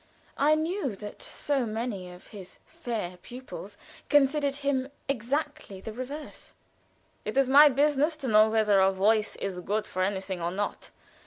I knew that so many of his "fair pupils" considered him exactly the reverse. "It is my business to know whether a voice is good for anything or not.